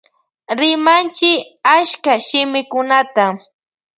Rimanchi achka shimikunata.